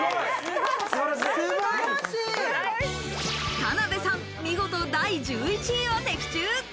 田辺さん、見事第１１位を的中。